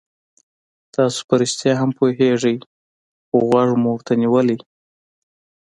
تاسو په رښتیا هم پوهېږئ خو غوږ مو ورته نیولی.